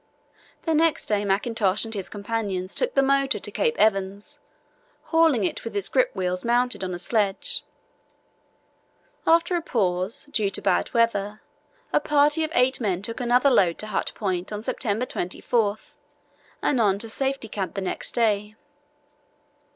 The next day Mackintosh and his companions took the motor to Cape Evans, hauling it with its grip wheels mounted on a sledge. After a pause due to bad weather, a party of eight men took another load to Hut Point on September 24, and on to Safety Camp the next day.